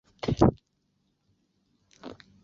熊野三山之一。